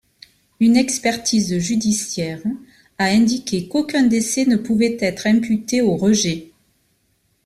Une expertise judiciaire a indiqué qu'aucun décès ne pouvait être imputé aux rejets.